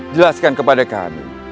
jelaskan kepada kami